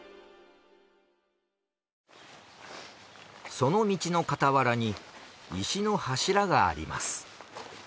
その道のかたわらに石の柱があります。